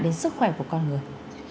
đến sức khỏe của con người